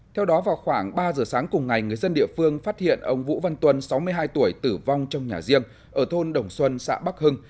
theo đó vào khoảng ba giờ sáng cùng ngày người dân địa phương phát hiện ông vũ văn tuân sáu mươi hai tuổi tử vong trong nhà riêng ở thôn đồng xuân xã bắc hưng